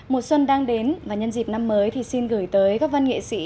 mùa xuân đang đến và nhân dịp năm mới thì xin gửi tới các văn nghệ sĩ